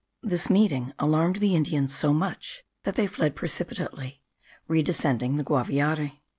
This meeting alarmed the Indians so much, that they fled precipitately, redescending the Guaviare.